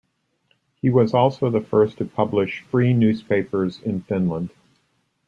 He was also the first to publish free newspapers in Finland.